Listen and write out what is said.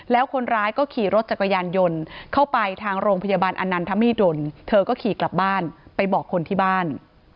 แล้วคนร้ายก็ขี่รถจักรยานยนต์เข้าไปทางโรงพยาบาลอนันทมิดลเธอก็ขี่กลับบ้านไปบอกคนที่บ้าน